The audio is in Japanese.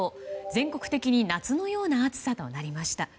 全国的に夏のような暑さとなりました。